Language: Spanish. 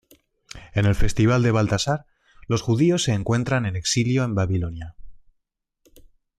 En el festival de Baltasar los judíos se encuentran en exilio en Babilonia.